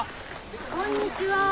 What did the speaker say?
こんにちは。